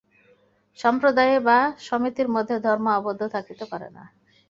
সম্প্রদায়ে বা সমিতির মধ্যে ধর্ম আবদ্ধ থাকিতে পারে না।